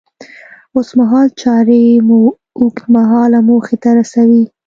اوسمهال چارې مو اوږد مهاله موخې ته رسوي.